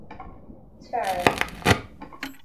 is fear é